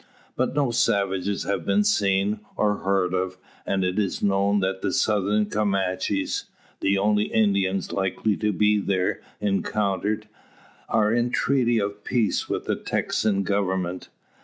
But no savages have been seen, or heard of; and it is known that the Southern Comanches the only Indians likely to be there encountered are in treaty of peace with the Texan Government.